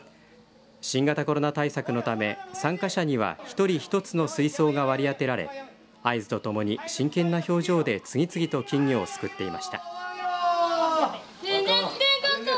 新型コロナ対策のため参加者には１人１つの水槽が割り当てられ合図ともに真剣な表情で次々と金魚をすくっていました。